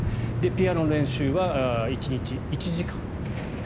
ピアノの練習は１日１時間。